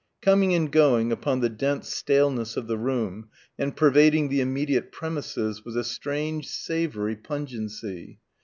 Coming and going upon the dense staleness of the room and pervading the immediate premises was a strange savoury pungency.